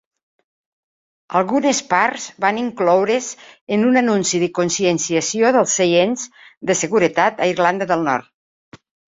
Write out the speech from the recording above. Algunes parts van incloure's en un anunci de conscienciació dels seients de seguretat a Irlanda del Nord.